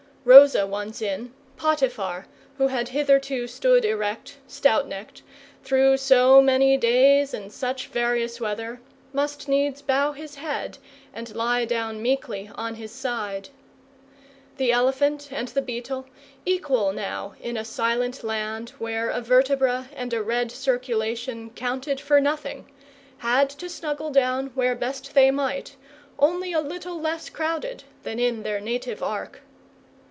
Rosa once in, Potiphar, who had hitherto stood erect, stout necked, through so many days and such various weather, must needs bow his head and lie down meekly on his side. The elephant and the beetle, equal now in a silent land where a vertebra and a red circulation counted for nothing, had to snuggle down where best they might, only a little less crowded than in their native Ark.